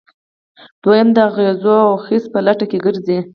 دویم د اغزیو او خس په لټه کې ګرځي.